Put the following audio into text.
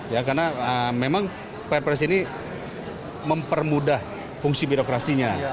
ya karena memang perpres ini mempermudah fungsi birokrasinya